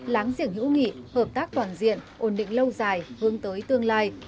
láng giềng hữu nghị hợp tác toàn diện ổn định lâu dài hướng tới tương lai